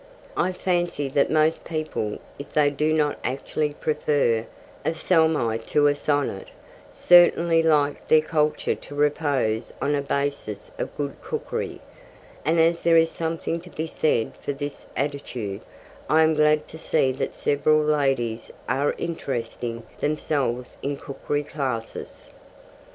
I fancy that most people, if they do not actually prefer a salmis to a sonnet, certainly like their culture to repose on a basis of good cookery, and as there is something to be said for this attitude, I am glad to see that several ladies are interesting themselves in cookery classes.